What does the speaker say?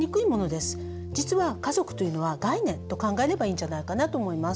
実は家族というのは概念と考えればいいんじゃないかなと思います。